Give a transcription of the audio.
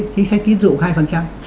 chính sách kín dụng hai